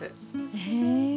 へえ。